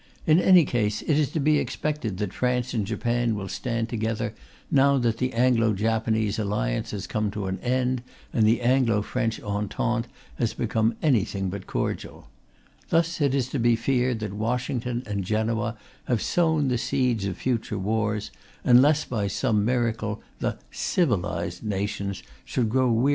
In any case, it is to be expected that France and Japan will stand together, now that the Anglo Japanese Alliance has come to an end and the Anglo French Entente has become anything but cordial. Thus it is to be feared that Washington and Genoa have sown the seeds of future wars unless, by some miracle, the "civilized" nations should grow weary of suicide. FOOTNOTES: [Footnote 84: See _e.g.